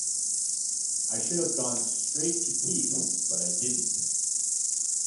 I should have gone straight to Keith, but I didn't.